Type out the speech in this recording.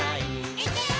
「いくよー！」